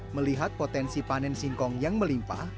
melihat potensi panen singkong yang melimpa